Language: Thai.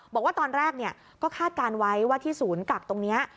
บอกว่าตอนแรกก็คาดการณ์ไว้ว่าที่ศูนย์กักตรงนี้